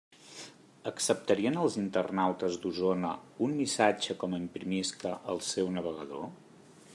Acceptarien els internautes d'Osona un missatge com imprimisca al seu navegador?